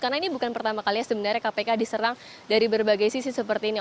karena ini bukan pertama kali sebenarnya kpk diserang dari berbagai sisi seperti ini